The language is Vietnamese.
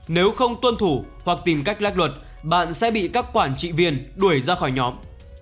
nếu không tuân thủ hoặc tìm cách lách luật bạn sẽ bị các quản trị viên đuổi ra khỏi nhóm